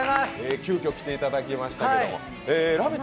急きょ来ていただきましたけども、「ラヴィット！」